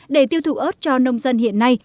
để tiêu thụ ớt cho nông dân hiện nay